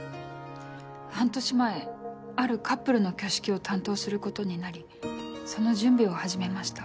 半年前あるカップルの挙式を担当することになりその準備を始めました。